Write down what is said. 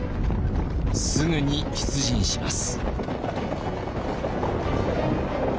すぐに出陣します。